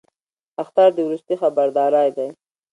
اخطار د وروستي خبرداری دی